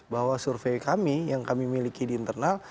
bahwa survei kami yang kami miliki di internal